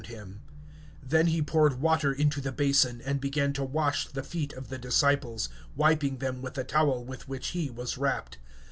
(5)After that he pours water into the basin, and began to wash the feet of his disciples, and to wipe them with the towel with which he was girded.